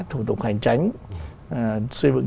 hành tránh xây dựng